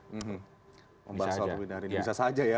membahas soal pemindahan ini bisa saja ya